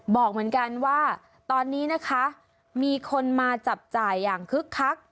บอกเหมือนกันว่าตอนนี้นะคะมีคนมาจับจ่ายอย่างคึกคัก